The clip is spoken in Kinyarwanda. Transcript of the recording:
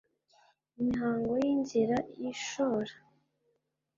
imihango y’inzira y’ishora